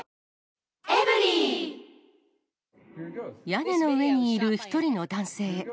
屋根の上にいる１人の男性。